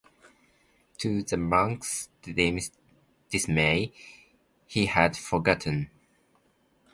To the monk's dismay, he had forgotten.